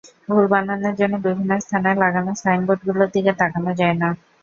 ভুল বানানের জন্য বিভিন্ন স্থানে লাগানো সাইনবোর্ডগুলোর দিকে তাকানো যায় না।